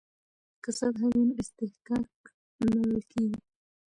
که سطح وي نو اصطکاک نه ورکیږي.